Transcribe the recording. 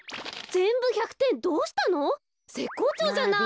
ぜっこうちょうじゃない。